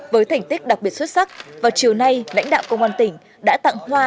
với thành tích đặc biệt xuất sắc vào chiều nay lãnh đạo công an tỉnh đã tặng hoa